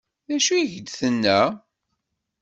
D acu i k-d-tenna?